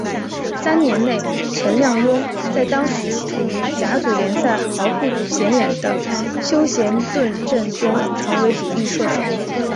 三年内陈亮镛在当时处于甲组联赛豪不显眼的修咸顿阵中成为主力射手。